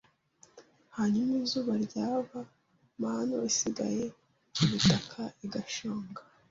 Hanyuma izuba ryava, manu isigaye ku butaka igashonga